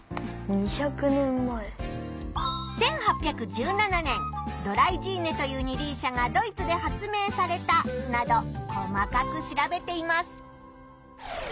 「１８１７年ドライジーネという二輪車がドイツで発明された」など細かく調べています。